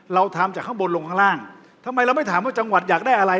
เราทำจากข้างบนลงข้างล่างทำไมเราไม่ถามว่าจังหวัดอยากได้อะไร